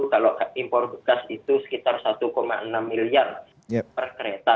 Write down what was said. kalau impor bekas itu sekitar satu enam miliar per kereta